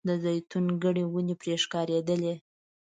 د زیتونو ګڼې ونې پرې ښکارېدلې.